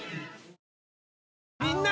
みんな！